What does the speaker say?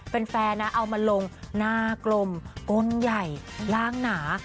แฟนนะเอามาลงหน้ากลมก้นใหญ่ร่างหนา